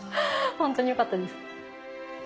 本当によかったです。